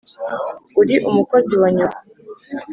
uri umukozi wa nyoko.